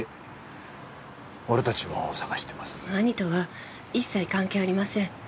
兄とは一切関係ありません。